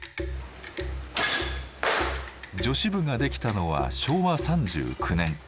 女子部ができたのは昭和３９年。